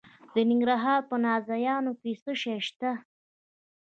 د ننګرهار په نازیانو کې څه شی شته؟